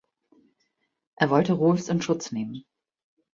Er wollte Rohlfs in Schutz nehmen.